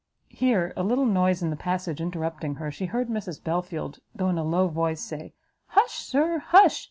Here a little noise in the passage interrupting her, she heard Mrs Belfield, though in a low voice, say, "Hush, Sir, hush!